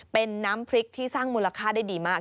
เป็นน้ำพริกที่สร้างมูลค่าได้ดีมาก